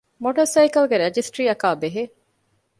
މޮޓޯސައިކަލްގެ ރަޖިސްޓަރީއަކާބެހޭ